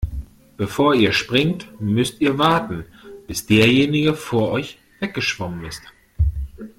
Bevor ihr springt, müsst ihr warten, bis derjenige vor euch weggeschwommen ist.